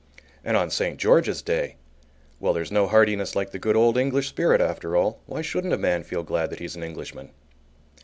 And on St. George's Day! well, there's no heartiness like the good old English spirit, after all; why shouldn't a man feel glad that he's an Englishman?